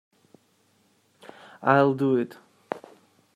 I'll do it.